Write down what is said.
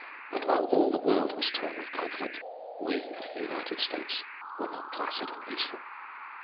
And while all the world was torn with conflict, we of the United States were not placid and peaceful.